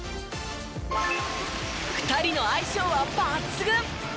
２人の相性は抜群！